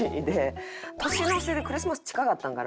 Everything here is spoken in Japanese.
年の瀬でクリスマス近かったんかな？